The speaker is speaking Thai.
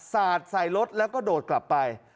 สาดใส่รถแล้วก็โดดกลับไป